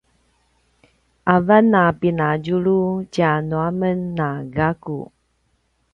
avan a pinadjulu tjanu a men na gaku